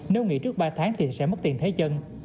nếu nghỉ trước ba tháng thì sẽ mất tiền thế chân